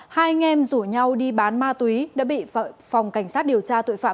hai anh em rủ nhau đi bán ma túy đã bị phòng cảnh sát điều tra tội phạm